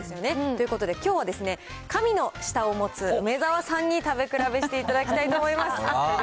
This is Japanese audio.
ということできょうは、神の舌を持つ梅沢さんに食べ比べしていただきたいと思います。